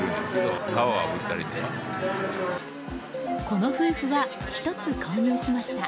この夫婦は、１つ購入しました。